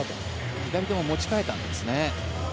左手を持ち替えたんですね。